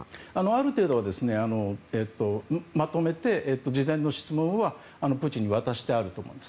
ある程度はまとめて事前の質問はプーチンに渡してあると思います。